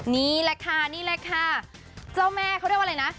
นี่แหละค่ะนี่แหละค่ะเจ้าแม่เขาเรียกว่าอะไรนะ